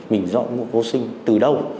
mình dọn vô sinh từ đâu